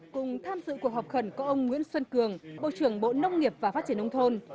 cùng tham dự cuộc họp khẩn có ông nguyễn xuân cường bộ trưởng bộ nông nghiệp và phát triển nông thôn